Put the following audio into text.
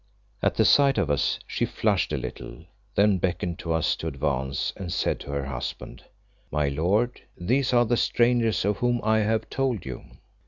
At the sight of us she flushed a little, then beckoned to us to advance, and said to her husband "My lord, these are the strangers of whom I have told you."